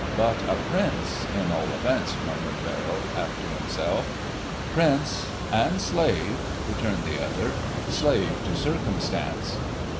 "But a Prince in all events," murmured Verrill, half to himself. "Prince and Slave," returned the other, "slave to circumstance."